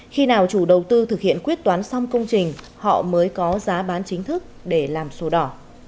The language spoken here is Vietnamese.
khi nào chủ đầu tư thực hiện quyết toán xong công trình họ mới có giá bán chính thức để làm sổ đỏ